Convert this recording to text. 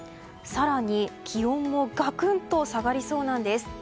更に気温もガクンと下がりそうです。